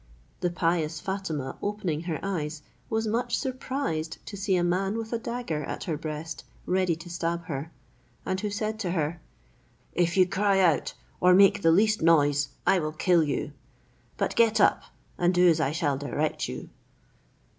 The pious Fatima opening her eyes, was much surprised to see a man with a dagger at her breast ready to stab her, and who said to her, "If you cry out, or make the least noise, I will kill you; but get up, and do as I shall direct you."